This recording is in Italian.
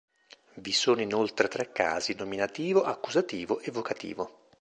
Vi sono inoltre tre casi: nominativo, accusativo, e vocativo.